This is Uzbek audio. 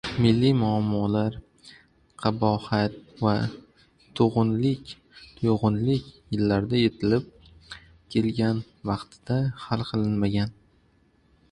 milliy muammolar, qabohat va turg‘unlik yillarida yetilib kelgan, vaqtida hal qilinmagan.